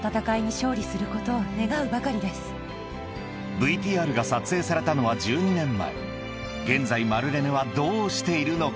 ＶＴＲが撮影されたのは１２年前現在マルレネはどうしているのか？